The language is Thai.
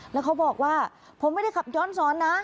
แล้วเขาบอกว่าผมไม่ได้ขับย้อนสอนนะ